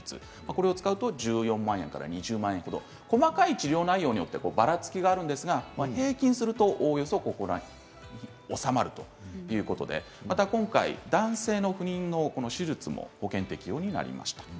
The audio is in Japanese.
これを使うと１４万円から２０万円ほど。細かい治療内容によってばらつきがあるんですが平均するとおよそこのぐらいで収まるということで今回男性の不妊の手術も保険適用になりました。